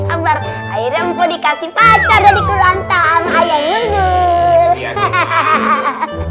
akhirnya mpo dikasih pacar dari kulung anta sama ayang bulbul